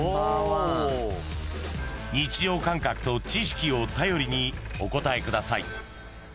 ［日常感覚と知識を頼りにお答えください］